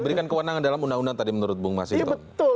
berikan kewenangan dalam undang undang tadi menurut bung mas hinton